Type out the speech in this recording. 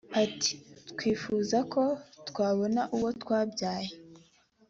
Ati”Twifuza ko twabona uwo twabyaye